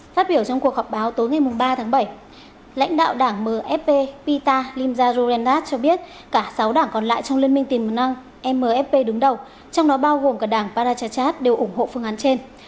phát biểu trong cuộc họp báo tối ba tháng bảy lãnh đạo đảng mfp pita limzah rourendat cho biết cả sáu đảng còn lại trong liên minh tiền mực năng mfp đứng đầu trong đó bao gồm cả đảng parachachat đều ủng hộ phương án trên